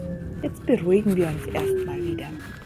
Jetzt beruhigen wir uns erstmal wieder.